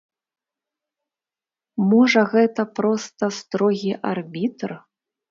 Можа, гэта проста строгі арбітр?